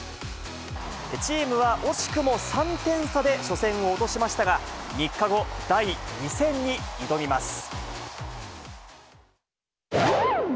チームは惜しくも３点差で初戦を落としましたが、３日後、第２戦に挑みます。